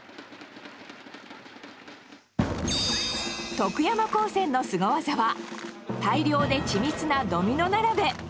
徳山高専のすご技は大量で緻密なドミノ並べ。